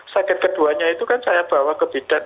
sakit keduanya itu kan saya bawa ke bidak